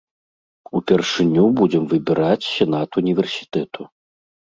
Упершыню будзем выбіраць сенат універсітэту.